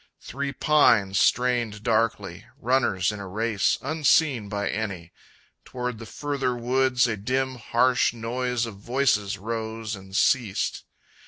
Three pines strained darkly, runners in a race Unseen by any. Toward the further woods A dim harsh noise of voices rose and ceased.